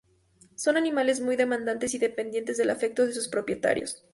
Son animales muy demandantes y dependientes del afecto de sus propietarios.